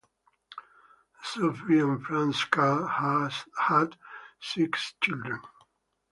Sophie and Franz Karl had six children.